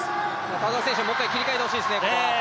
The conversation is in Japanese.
田澤選手はもう一回切り替えてほしいですね。